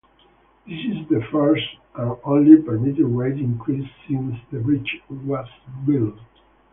This is the first, and only, permitted rate increase since the bridge was built.